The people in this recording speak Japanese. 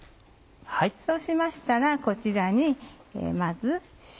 そうしましたらこちらにまず塩。